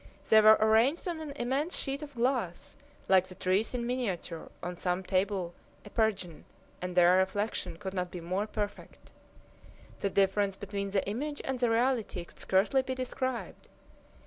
They were arranged on an immense sheet of glass, like the trees in miniature on some table epergne, and their reflection could not be more perfect. The difference between the image and the reality could scarcely be described.